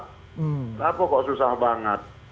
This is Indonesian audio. kenapa kok susah banget